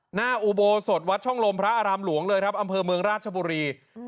หน้าอุโบสถวัดช่องลมพระอารามหลวงเลยครับอำเภอเมืองราชบุรี